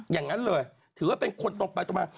อย่างนั้นเลยถือว่าเป็นคนตรงไปตรงมา